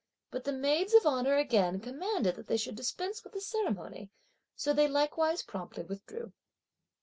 But the maids of honour again commanded that they should dispense with the ceremony, so they likewise promptly withdrew.